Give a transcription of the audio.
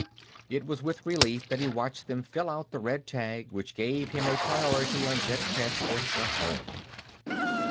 It was with relief that he watched them fill out the red tag which gave him a priority on jet transports for home.